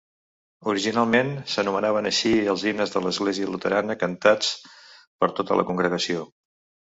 Originalment s'anomenaven així els himnes de l'església luterana cantats per tota la congregació.